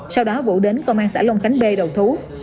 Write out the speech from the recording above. sau đó vũ đến công an xã long khánh bê đầu thú